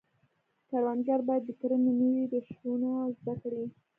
کروندګر باید د کرنې نوي روشونه زده کړي.